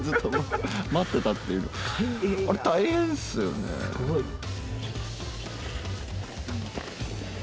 すごい。